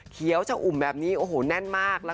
เขียวอุ่มแบบนี้แน่นมาก